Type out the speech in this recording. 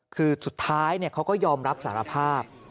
คือสุดท้ายเขาก็ยอมรับสารภาพ